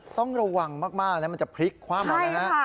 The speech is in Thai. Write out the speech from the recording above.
ต้องระวังมากมันจะพลิกความมากเลยนะ